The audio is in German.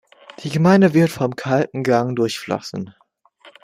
Die Gemeinde wird vom Kalten Gang durchflossen.